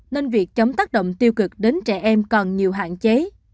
nên việc chống tác động tiêu cực đến trẻ em còn nhiều hạn chế